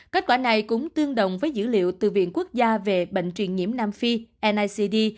kết quả này cũng tương đồng với dữ liệu từ viện quốc gia về bệnh truyền nhiễm nam phi necd